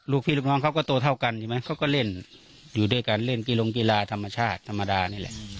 ลูกพี่ลูกน้องเขาก็โตเท่ากันใช่ไหมเขาก็เล่นอยู่ด้วยกันเล่นกีลงกีฬาธรรมชาติธรรมดานี่แหละ